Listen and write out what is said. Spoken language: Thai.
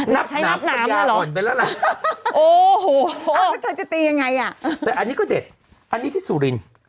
นับหนามเป็นยาห่อนไปแล้วแหละโอ้โหแล้วเธอจะตียังไงอะแต่อันนี้ก็เด็ดอันนี้ที่สูรินทร์